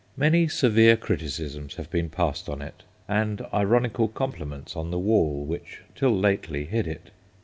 Many severe criticisms have been passed on it, and ironical compliments on the wall which till lately hid it.